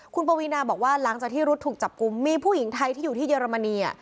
คุณปวีนาบอกว่าหลังจากที่รุ๊ดถูกจับกลุ่มมีผู้หญิงไทยที่อยู่ที่เยอรมนี